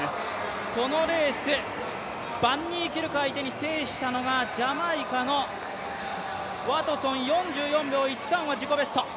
このレース、バンニーキルク相手に制したのがジャマイカのワトソン４４秒１３は自己ベスト。